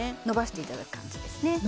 のばしていただく感じですね